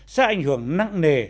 sẽ ảnh hưởng nặng nề